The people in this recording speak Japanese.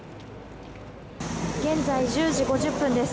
現在１０時５０分です